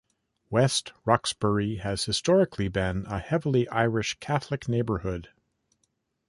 West Roxbury has historically been a heavily Irish Catholic neighborhood.